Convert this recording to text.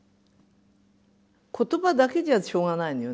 言葉だけじゃしょうがないのよね。